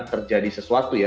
terjadi sesuatu ya